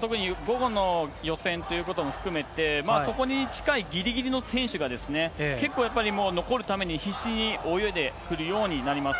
特に午後の予選ということも含めて、そこに近いぎりぎりの選手が結構、やっぱり残るために必死に泳いでくるようになります。